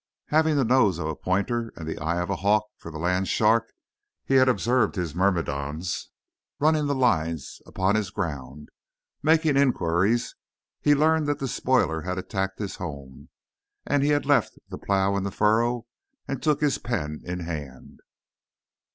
Having the nose of a pointer and the eye of a hawk for the land shark, he had observed his myrmidons running the lines upon his ground. Making inquiries, he learned that the spoiler had attacked his home, and he left the plough in the furrow and took his pen in hand.